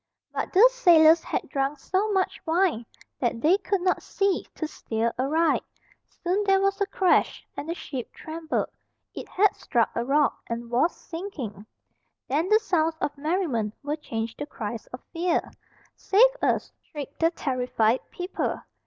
But the sailors had drunk so much wine that they could not see to steer aright. Soon there was a crash, and the ship trembled. It had struck a rock, and was sinking. Then the sounds of merriment were changed to cries of fear. "Save us!" shrieked the terrified people.